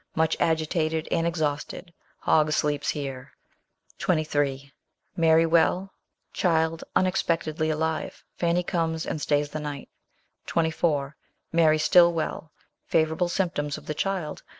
Much agitated and exhausted. Hogg sleeps here. 23. Mary well; child unexpectedly alive. Fanny comes and stays the night. ... 24. Mary still well ; favourable symptoms of the child.